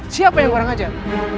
siapa yang kurang ajar